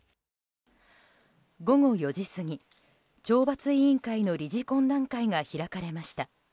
午後４時過ぎ、懲罰委員会の理事懇談会が開かれました。